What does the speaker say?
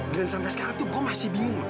dan sampai sekarang tuh gue masih bingung